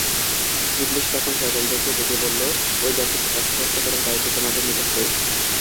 ইবলীস তখন শয়তানদেরকে ডেকে বলল, ঐ ব্যক্তিকে পথভ্রষ্ট করার দায়িত্ব তোমাদের নিতে হবে।